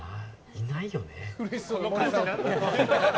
いないよね。